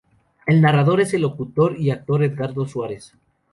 El narrador es el locutor y actor Edgardo Suárez.